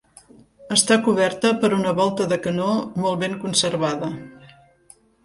Està coberta per una volta de canó molt ben conservada.